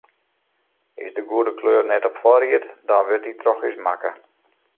Is de goede kleur net op foarried, dan wurdt dy troch ús makke.